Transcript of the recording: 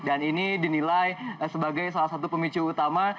dan ini dinilai sebagai salah satu pemicu utama